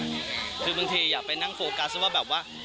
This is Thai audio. ก็ครึบทีอยากไปนั้นเลยมาโฟกัสว่าแบบว่า